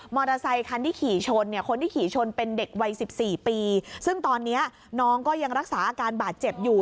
อเตอร์ไซคันที่ขี่ชนเนี่ยคนที่ขี่ชนเป็นเด็กวัยสิบสี่ปีซึ่งตอนนี้น้องก็ยังรักษาอาการบาดเจ็บอยู่